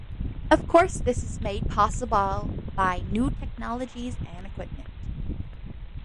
Of course this is made possible by new technologies and equipment.